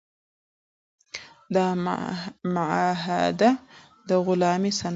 دا معاهده د غلامۍ سند و.